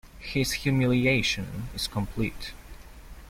His humiliation is complete.